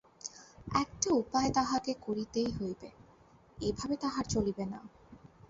একটা উপায় তাহাকে করিতেই হইবে, এ ভাবে তাহার চলিবে না।